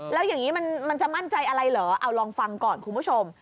แล้วอย่างนี้มันจะมั่นใจอะไรเหรอเอาลองฟังก่อนคุณผู้ชม